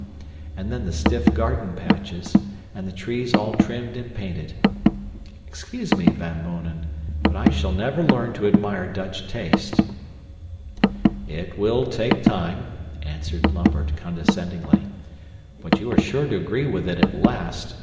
And then the stiff garden patches, and the trees all trimmed and painted. Excuse me, Van Mounen, but I shall never learn to admire Dutch taste." "It will take time," answered Lambert condescendingly, "but you are sure to agree with it at last.